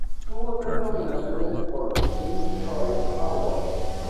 Tuvo tres nominaciones por los Teen Choice Awards.